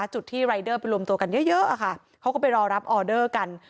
จุดที่รายเดอร์ไปรวมตัวกันเยอะค่ะเขาก็ไปรอรับออเดอร์กัน